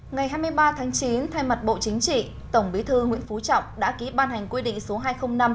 ngày hai mươi ba tháng chín thay mặt bộ chính trị tổng bí thư nguyễn phú trọng đã ký ban hành quy định số hai trăm linh năm